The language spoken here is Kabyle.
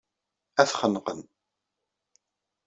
Ad t-xenqen.